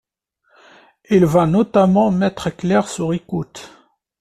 Il va notamment mettre Claire sur écoute.